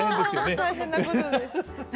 あ大変なことです。